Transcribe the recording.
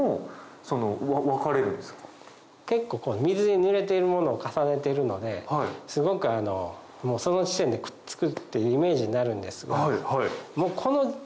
結構水にぬれているものを重ねているのですごくその時点でくっつくっていうイメージになるんですが。